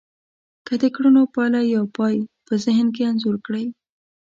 که د کړنو پايله يا پای په ذهن کې انځور کړی.